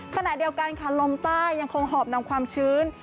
ขณะเดียวกันค่ะลมใต้ยังคงหอบนำความชื้น